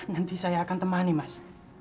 nanti saya akan temani mas